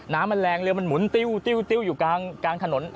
น้ำมันแรงเรือมันหมุนติ้วติ้วอยู่กลางถนน